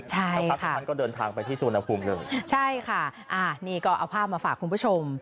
สักพักหนึ่งท่านก็เดินทางไปที่สุวรรณภูมิเลยใช่ค่ะอ่านี่ก็เอาภาพมาฝากคุณผู้ชม